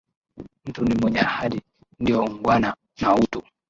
Mtu ni mwenye ahadi, ndio u’ngwana na utu